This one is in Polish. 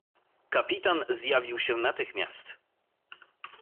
"Kapitan zjawił się natychmiast."